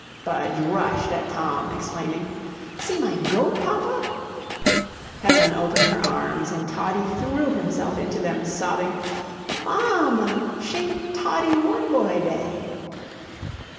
Budge rushed at Tom, exclaiming: "See my goat, papa!" Helen opened her arms, and Toddie threw himself into them, sobbing: "Mam MA! shing 'Toddie one boy day!'"